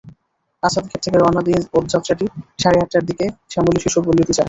Asad gate থেকে রওনা দিয়ে পদযাত্রাটি সাড়ে আটটার দিকে শ্যামলী শিশুপল্লিতে যায়।